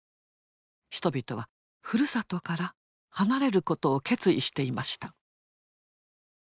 人々はふるさとから離れることを決意していました。